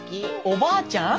おばあちゃん